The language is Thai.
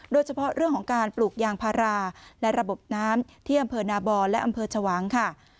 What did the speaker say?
โดยเฉพาะเรื่องของการปลูกยางพาราและระบบน้ำที่อำเภอนาบอนและอำเภอชวางค่ะ